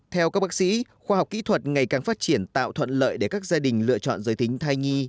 theo các bác sĩ khoa học kỹ thuật ngày càng phát triển tạo thuận lợi để các gia đình lựa chọn giới tính thai nhi